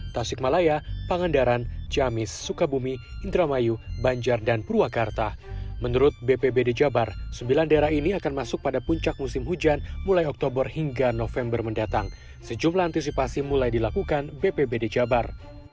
tasikmalaya pangandaran ciamis sukabumi indramayu banjar dan purwakarta menurut bpbd jabar sembilan daerah ini akan masuk pada puncak musim hujan mulai oktober hingga november mendatang sejumlah antisipasi mulai dilakukan bpbd jabar